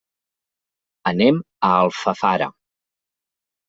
Anem a Alfafara.